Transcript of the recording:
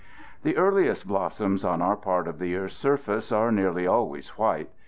The earliest blossoms on our part of the earth's surface are nearly always white.